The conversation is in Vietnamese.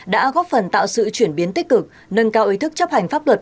đã góp phần tạo sự chuyển biến tích cực nâng cao ý thức chấp hành pháp luật